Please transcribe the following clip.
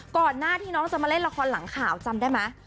ก่อนหน้าที่น้องจะมาเล่นละครหลังข่าวจำได้ไหม